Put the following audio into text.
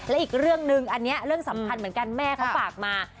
อันนี้เรื่องสำคัญแม่เขาฝากมา